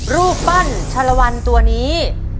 รูปปั้นชารวรรค์ตัวนี้